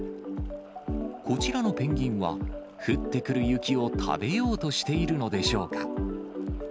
こちらのペンギンは、降ってくる雪を食べようとしているのでしょうか。